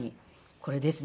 これですね。